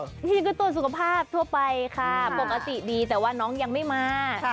นี่คือตัวสุขภาพทั่วไปค่ะปกติดีแต่ว่าน้องยังไม่มา